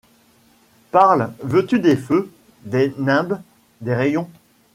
Parle. Veux-tu des feux, des nimbes, des rayons ?